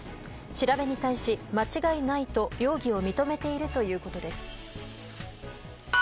調べに対し間違いないと容疑を認めているということです。